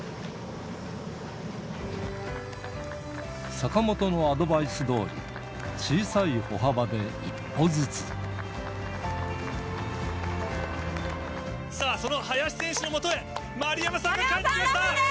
坂本のアドバイスどおり、小さいさあ、その林選手のもとへ、丸山さんが帰ってきました。